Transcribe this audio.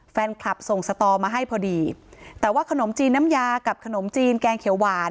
แฟนคลับส่งสตอมาให้พอดีแต่ว่าขนมจีนน้ำยากับขนมจีนแกงเขียวหวาน